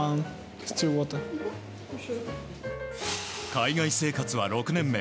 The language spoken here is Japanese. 海外生活は６年目。